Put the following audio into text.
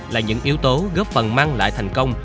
là những yếu tố góp phần mang lại thành công